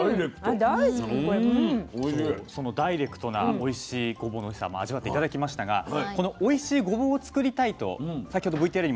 そのダイレクトなおいしいごぼうのおいしさ味わって頂きましたがこのおいしいごぼうを作りたいと先ほどＶＴＲにもありました